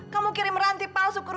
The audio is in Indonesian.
kamu kirim ranti palsu ke rumah lia